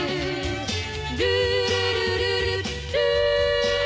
「ルールルルルルー」